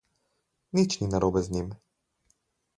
Nič ni narobe z njim.